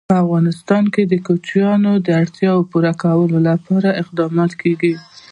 په افغانستان کې د کوچیان د اړتیاوو پوره کولو لپاره اقدامات کېږي.